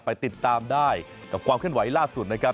ไปติดตามได้กับความเคลื่อนไหวล่าสุดนะครับ